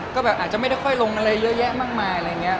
ก็แบบอาจจะไม่ได้ค่อยลงอะไรเยอะแยะมากมายอะไรอย่างนี้